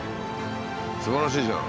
すばらしいじゃん。